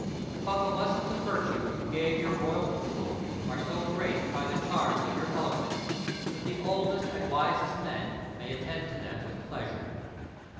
But the lessons of virtue you gave your royal pupil are so graced by the charms of your eloquence that the oldest and wisest men may attend to them with pleasure.